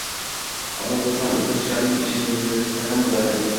Ammo bu fan o‘qituvchilarining ishini yengillatsa ham bo‘ladi.